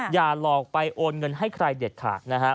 อย่าหลอกไปโอนเงินให้ใครเด็ดขาดนะฮะ